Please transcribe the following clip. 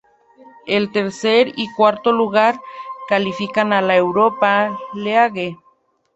El tercer y cuarto lugar califican a la Europa League.